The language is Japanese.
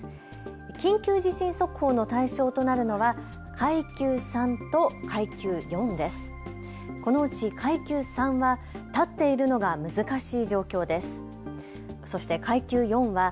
緊急地震速報の対象となるのは階級３と階級４です。